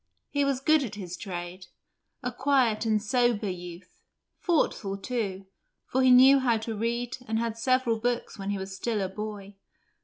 He was good at his trade; a quiet and sober youth; thoughtful, too, for he knew how to read and had read several books when he was still a boy.